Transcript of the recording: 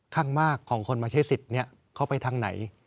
ข้างมากของคนมาใช้สิทธิ์เข้าไปทางไหน